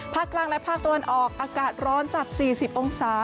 กลางและภาคตะวันออกอากาศร้อนจัด๔๐องศา